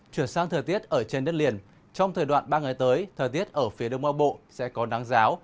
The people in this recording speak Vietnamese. chuyển sang thời tiết ở trên đất liền trong thời đoạn ba ngày tới thời tiết ở phía đông bắc bộ sẽ có nắng giáo